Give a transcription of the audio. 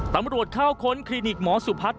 ตำรวจเข้าค้นคลินิกหมอสุพัฒน์